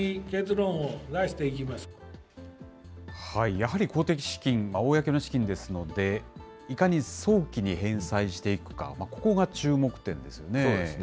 やはり公的資金、公の資金ですので、いかに早期に返済していくか、ここが注目点ですよね。